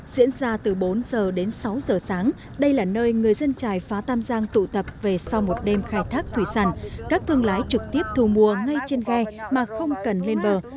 diễn ra từ bốn giờ đến sáu giờ sáng đây là nơi người dân trài phá tam giang tụ tập về sau một đêm khai thác thủy sản các thương lái trực tiếp thu mua ngay trên ghe mà không cần lên bờ